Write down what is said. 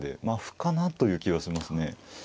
まあ歩かなという気はしますね。